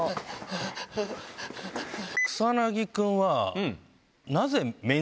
草薙君は。